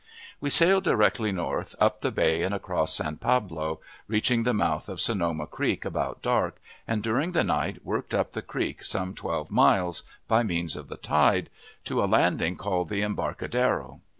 We sailed directly north, up the bay and across San Pablo, reached the month of Sonoma Creek about dark, and during the night worked up the creek some twelve miles by means of the tide, to a landing called the Embarcadero.